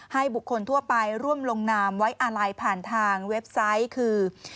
ให้บุคคลทั่วไปร่วมลงนามไว้อาลัยผ่านทางเว็บไซต์คือ